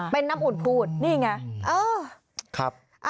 เป็นน้ำอุ่นพูดนี่ไงเออครับ